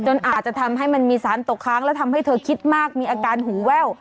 อาจจะทำให้มันมีสารตกค้างและทำให้เธอคิดมากมีอาการหูแว่ว